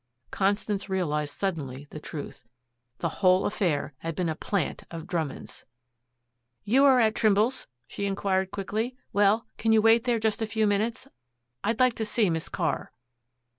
Constance realized suddenly the truth. The whole affair had been a plant of Drummond's! "You are at Trimble's?" she inquired quickly. "Well, can you wait there just a few minutes? I'd like to see Miss Carr."